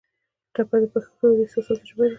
ټپه د پښتو د احساساتو ژبه ده.